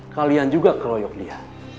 kalian juga keroyok dia